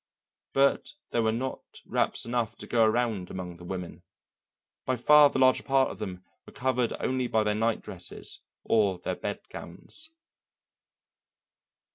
But there were not wraps enough to go around among the women, by far the larger part of them were covered only by their night dresses or their bed gowns.